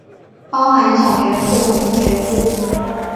包含小学部和中学部。